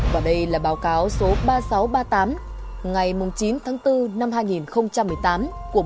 và đây là báo cáo số ba nghìn sáu trăm ba mươi tám ngày chín tháng bốn năm hai nghìn một mươi tám của bộ giao thông vận tài